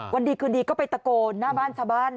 วันดีคืนดีก็ไปตะโกนหน้าบ้านชาวบ้าน